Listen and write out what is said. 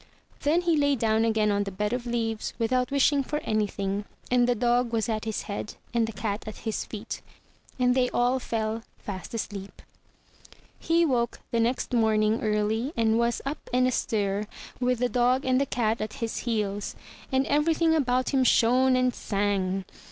'* Then he lay down again on the bed of leaves, without wishing for anything, and the dog was at his head and the cat at his feet; and they all fell fast asleep. He woke next morning early, and was up and astir, with the dog and the cat at his heels; and everything about him shone and sang.